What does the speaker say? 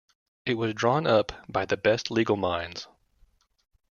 It was drawn up by the best legal minds.